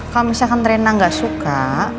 kalau misalkan rena enggak suka